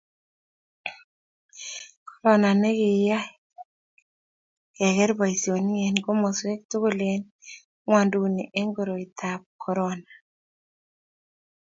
korona ni kiyi kedker boisionik eng komaswek tugul eng ngwanduni eng koroitab ab korona